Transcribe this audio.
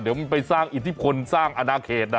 เดี๋ยวมันไปสร้างอิทธิพลสร้างอนาเขตนะ